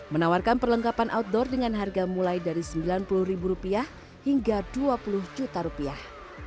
menawarkan perlengkapan outdoor dengan harga mulai dari sembilan puluh ribu rupiah hingga dua puluh juta rupiah